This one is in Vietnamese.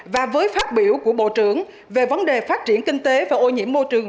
và với phát biểu của bộ trưởng về vấn đề phát triển kinh tế và ô nhiễm môi trường